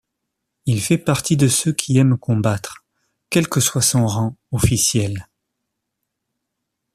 Il fait partie de ceux qui aiment combattre, quel que soit son rang officiel.